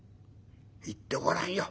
言ってごらんよ。